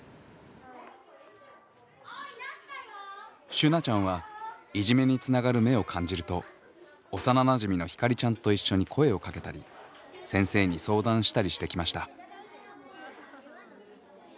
しゅなちゃんはいじめにつながる芽を感じると幼なじみのひかりちゃんと一緒に声をかけたり先生に相談したりしてきました。